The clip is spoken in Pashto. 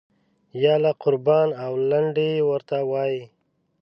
یاله قربان او لنډۍ ورته وایي.